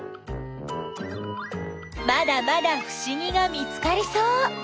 まだまだふしぎが見つかりそう！